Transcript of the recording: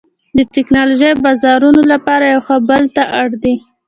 د ټکنالوژۍ او بازارونو لپاره یو بل ته اړ دي